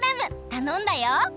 たのんだよ。